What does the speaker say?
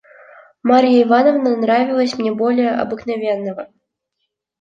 Марья Ивановна нравилась мне более обыкновенного.